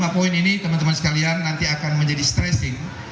lima poin ini teman teman sekalian nanti akan menjadi stressing